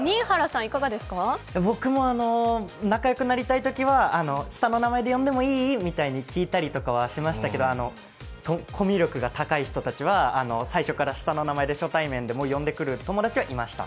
僕も仲良くなりたいときは下の名前で呼んでもいい？なんて聞いたりしましたけどコミュ力が高い人たちは最初から下の名前で初対面でも呼んでくる友達はいました。